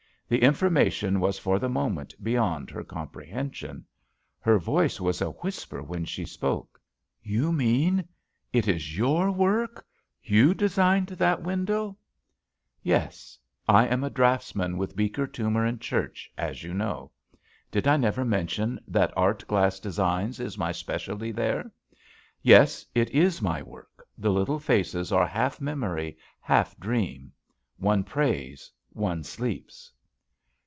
The information was for the moment beyond her comprehension. Her voice was a whisper when she spoke : "You mean — it is your work — ^you de signed that window?" "Yes. I am a draughtsman with Beeker, Toomer & Church, as you know. Did I never mention that art glass designs is my specialty there? Yes, it is my work. The little faces are half memory, half dream. One prays, one sleeps."